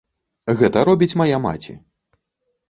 Гэта робіць мая маці.